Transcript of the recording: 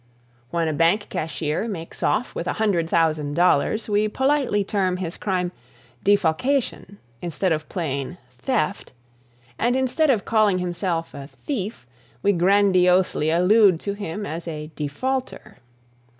When a bank cashier makes off with a hundred thousand dollars we politely term his crime defalcation instead of plain theft, and instead of calling himself a thief we grandiosely allude to him as a defaulter.